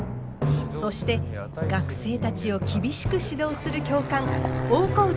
そして学生たちを厳しく指導する教官大河内